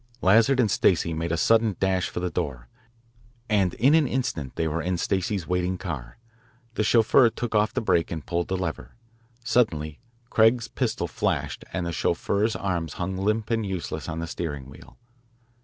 Lazard and Stacey made a sudden dash for the door, and in an instant they were in Stacey's waiting car. The chauffeur took off the brake and pulled the lever. Suddenly Craig's pistol flashed, and the chauffeur's arms hung limp and useless on the steering wheel.